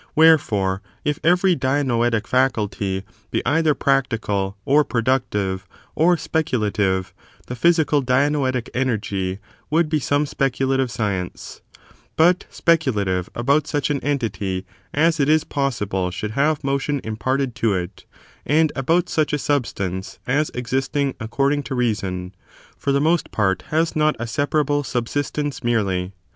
Wherefore, if every dianoetic faculty be either practical, or productive, or speculative, the physical dianoetic energy would be some speculative science ; but speculative about such an entity as it is possible should have motion imparted to it, and about such a substance as, existing according to reason, for the most part has not a separable subsistence merely.